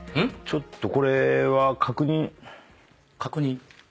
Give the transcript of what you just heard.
ちょっとこれは確認。